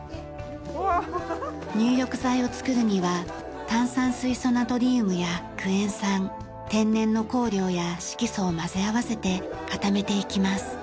入浴剤を作るには炭酸水素ナトリウムやクエン酸天然の香料や色素を混ぜ合わせて固めていきます。